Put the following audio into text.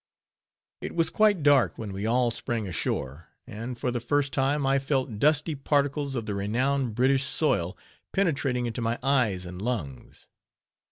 It was quite dark, when we all sprang ashore; and, for the first time, I felt dusty particles of the renowned British soil penetrating into my eyes and lungs.